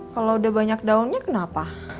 kalau udah banyak daunnya kenapa